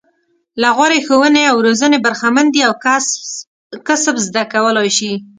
له غوره ښوونې او روزنې برخمن دي او کسب زده کولای شي.